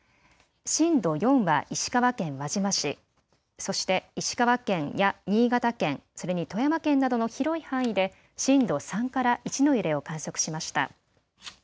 震度４は石川県輪島市、そして石川県や新潟県、それに富山県などの広い範囲で震度３から１の揺れを観測しました。